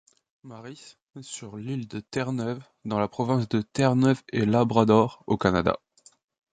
Mary's sur l'île de Terre-Neuve dans la province de Terre-Neuve-et-Labrador au Canada.